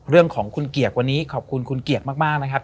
เรื่องของคุณเกียรติวันนี้ขอบคุณคุณเกียรติมากนะครับ